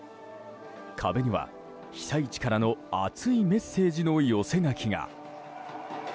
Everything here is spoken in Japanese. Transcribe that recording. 壁には被災地からの熱いメッセージの寄せ書きが。